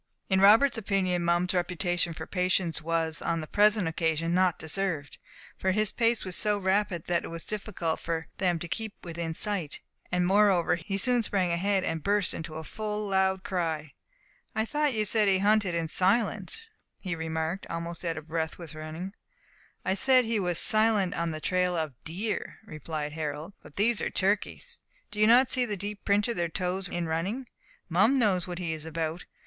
In Robert's opinion, Mum's reputation for patience was, on the present occasion, not deserved; for his pace was so rapid that it was difficult for them to keep within sight, and moreover he soon sprang ahead, and burst into a full loud cry. "I thought you said that he hunted in silence," he remarked, almost out of breath with running. "I said he was silent on the trail of deer," replied Harold, "but these are turkeys. Do you not see the deep print of their toes in running! Mum knows what he is about.